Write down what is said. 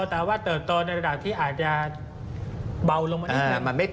แต่ว่าเติบโตในระดับที่อาจจะเบาลงมาอีก